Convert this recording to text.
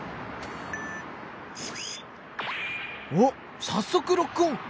おっさっそくロックオン！